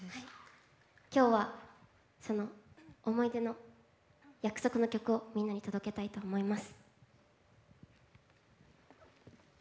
今日はその思い出の曲をみんなに届けたいと思います。